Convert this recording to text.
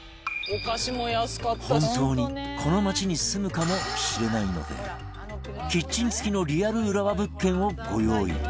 本当にこの町に住むかもしれないのでキッチン付きのリアル浦和物件をご用意